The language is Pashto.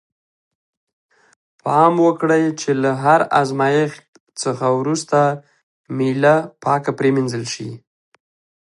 پام وکړئ چې له هر آزمایښت څخه وروسته میله پاکه پرېمینځل شي.